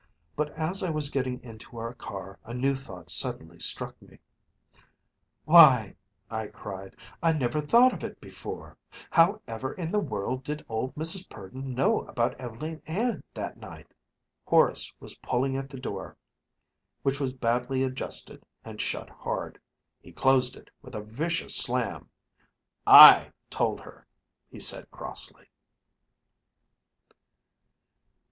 But as I was getting into our car a new thought suddenly struck me. "Why," I cried, "I never thought of it before! However in the world did old Mrs. Purdon know about Ev'leen Ann that night?" Horace was pulling at the door, which was badly adjusted and shut hard. He closed it with a vicious slam "I told her," he said crossly.